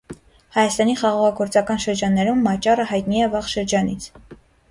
Հայաստանի խաղողագործական շրջաններում մաճառը հայտնի է վաղ շրջանից։